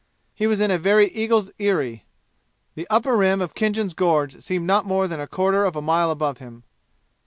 He was in a very eagle's aerie; the upper rim of Khinjan's gorge seemed not more than a quarter of a mile above him.